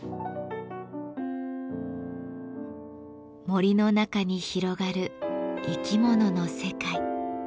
森の中に広がる生き物の世界。